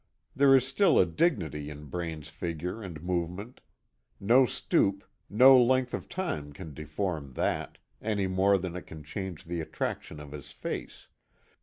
There is still a dignity in Braine's figure and movement. No stoop, no length of time can deform that, any more than it can change the attraction of his face.